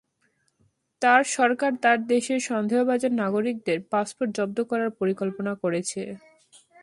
তাঁর সরকার তাঁর দেশের সন্দেহভাজন নাগরিকদের পাসপোর্ট জব্দ করার পরিকল্পনা করেছে।